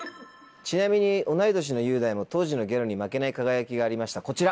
ちなみに同い年の雄大も当時のギャルに負けない輝きがありましたこちら。